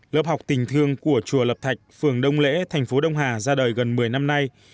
lớp học tình thương của chùa lập thạch phường đông lễ thành phố đông hà ra đời gần một mươi năm nay